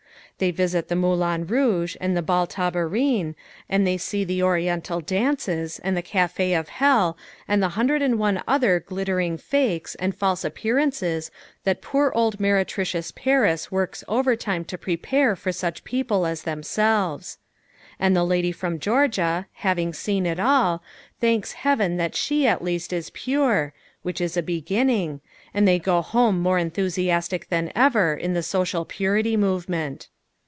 They visit the Moulin Rouge and the Bal Tabarin, and they see the Oriental Dances and the Café of Hell and the hundred and one other glittering fakes and false appearances that poor old meretricious Paris works overtime to prepare for such people as themselves. And the Lady from Georgia, having seen it all, thanks Heaven that she at least is pure which is a beginning and they go home more enthusiastic than ever in the Social Purity movement.